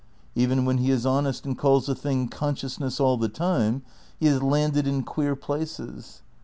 Even when he is honest and calls the thing consciousness all the time, he is landed in queer places.